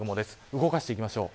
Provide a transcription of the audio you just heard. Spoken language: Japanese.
動かしていきましょう。